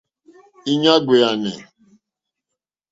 Íɲá ɡbèànè.